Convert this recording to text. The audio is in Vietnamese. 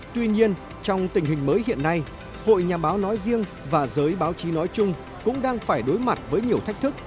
tuy nhiên trong tình hình mới hiện nay hội nhà báo nói riêng và giới báo chí nói chung cũng đang phải đối mặt với nhiều thách thức